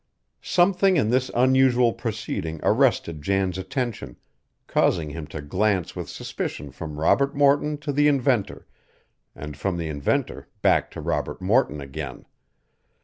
Something in this unusual proceeding arrested Jan's attention, causing him to glance with suspicion from Robert Morton to the inventor, and from the inventor back to Robert Morton again.